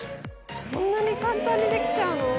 そんなに簡単にできちゃうの？